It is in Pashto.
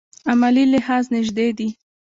عملي لحاظ نژدې دي.